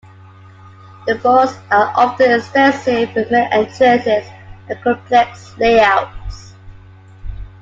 The burrows are often extensive with many entrances and complex layouts.